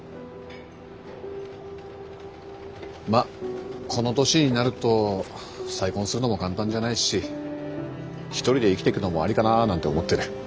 まあこの年になると再婚するのも簡単じゃないし一人で生きてくのもありかななんて思ってる。